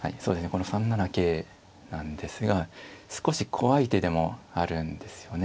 この３七桂なんですが少し怖い手でもあるんですよね。